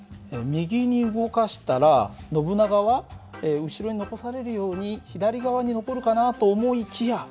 右に動かしたらノブナガは後ろに残されるように左側に残るかなと思いきや